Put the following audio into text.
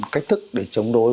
cách thức để chống đối